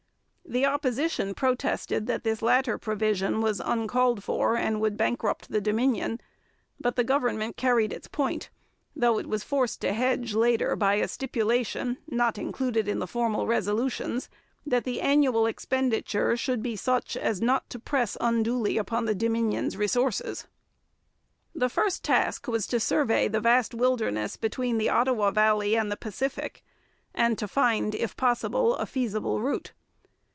The Opposition protested that this latter provision was uncalled for and would bankrupt the Dominion, but the government carried its point, though it was forced to hedge later by a stipulation not included in the formal resolutions that the annual expenditure should be such as not to press unduly upon the Dominion's resources. The first task was to survey the vast wilderness between the Ottawa valley and the Pacific, and to find, if possible, a feasible route.